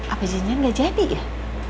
apa janjian gak jadi gak